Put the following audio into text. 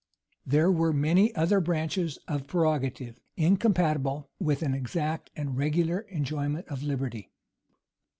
There were many other branches of prerogative incompatible with an exact or regular enjoyment of liberty.